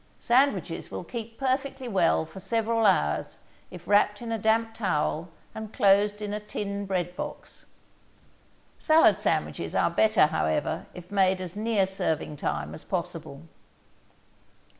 Sandwiches will keep perfectly well for several hours if wrapped in a damp towel and closed in a tin bread box. Salad sandwiches are better, however, if made as near serving time as possible.